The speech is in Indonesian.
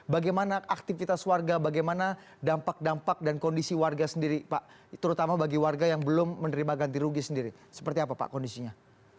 bagaimana aktivitas warga bagaimana dampak dampak dan kondisi warga sendiri pak terutama bagi warga yang belum menerima ganti rugi sendiri seperti apa pak kondisinya